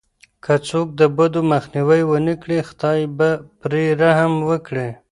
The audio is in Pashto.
که څوک د بدو مخنيوی ونه کړي، خداي به پرې رحم وکړي.